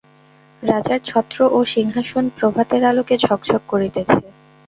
রাজার ছত্র ও সিংহাসন প্রভাতের আলোকে ঝকঝক করিতেছে।